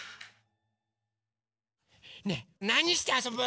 ねえなにしてあそぶ？